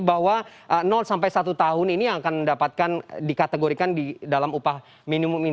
bahwa sampai satu tahun ini yang akan mendapatkan dikategorikan di dalam upah minimum ini